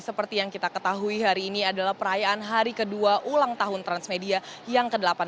seperti yang kita ketahui hari ini adalah perayaan hari kedua ulang tahun transmedia yang ke delapan belas